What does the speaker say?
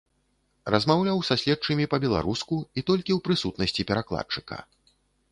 Размаўляў са следчымі па-беларуску і толькі ў прысутнасці перакладчыка.